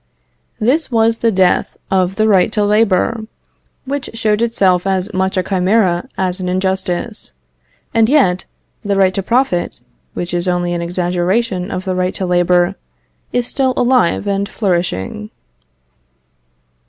This was the death of the right to labour, which showed itself as much a chimera as an injustice. And yet, the right to profit, which is only an exaggeration of the right to labour, is still alive and flourishing.